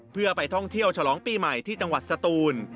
เพื่อไปท่องเที่ยวฉลองปีใหม่ที่จังหวัดสตูน